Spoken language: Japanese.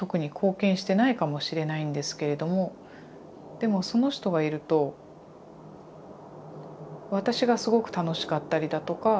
でもその人がいると私がすごく楽しかったりだとか。